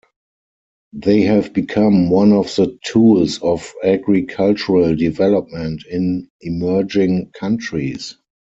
They have become one of the tools of agricultural development in emerging countries.